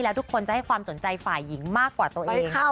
แล้วทุกคนจะให้ความสนใจฝ่ายหญิงมากกว่าตัวเอง